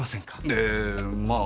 ええまあ